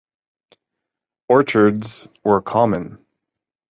Orchards were common.